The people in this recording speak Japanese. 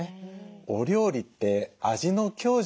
お料理って味の強弱